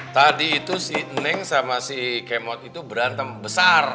tadi itu si neng sama si kemot itu berantem besar